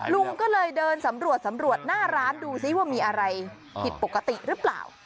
ลุงก็เลยเดินสำรวจสำรวจหน้าร้านดูซิว่ามีอะไรผิดปกติหรือเปล่า